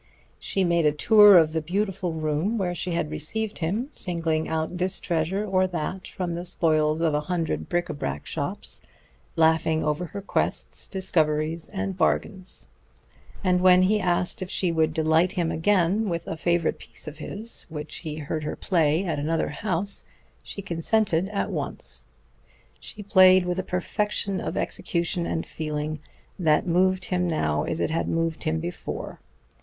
She made a tour of the beautiful room where she had received him, singling out this treasure or that from the spoils of a hundred bric à brac shops, laughing over her quests, discoveries and bargainings. And when he asked if she would delight him again with a favorite piece of his which he had heard her play at another house, she consented at once. She played with a perfection of execution and feeling that moved him now as it had moved him before.